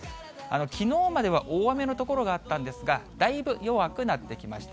きのうまでは大雨の所があったんですが、だいぶ弱くなってきました。